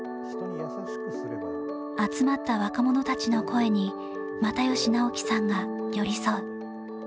集まった若者たちの声に又吉直樹さんが寄り添う。